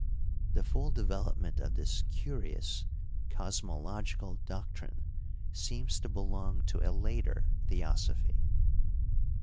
The full develop ment of this curious cosmolog^cal doctrine seems to be long to a later theosophy.